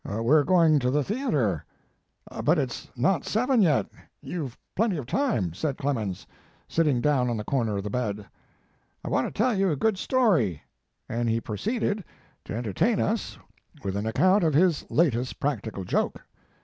"We re going to the theatre." "But it s not seven yet, you ve plenty of time, "said Clemens, sitting down on the corner of the bed. "I want to tell you a good story," and he proceeded to His Life and Work. 55 entertain us with an account of his latest practical joke.